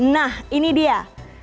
nah ini dia